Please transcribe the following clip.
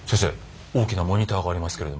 大きなモニターがありますけれどもこれは？